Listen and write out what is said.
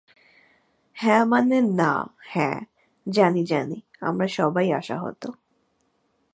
হ্যা মানে না হ্যা, জানি জানি, আমরা সবাই আশাহত।